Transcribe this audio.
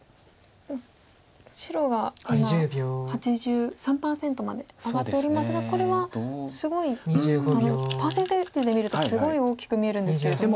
白が今８３％まで上がっておりますがこれはすごいパーセンテージで見るとすごい大きく見えるんですけれども。